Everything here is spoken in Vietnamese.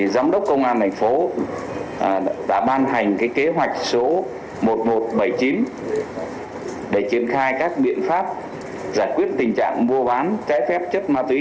giám đốc công an thành phố đã ban hành kế hoạch số một nghìn một trăm bảy mươi chín để triển khai các biện pháp giải quyết tình trạng mua bán trái phép chất ma túy